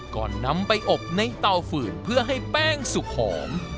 ก่อนนำไปอบในเตาฝืนเพื่อให้แป้งสุกหอม